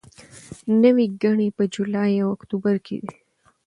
نورې ګڼې په جولای او اکتوبر کې دي.